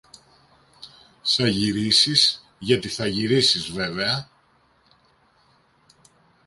Σα γυρίσεις, γιατί θα γυρίσεις βέβαια.